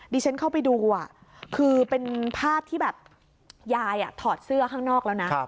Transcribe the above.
ดิฉันเข้าไปดูคือเป็นภาพที่แบบยายถอดเสื้อข้างนอกแล้วนะ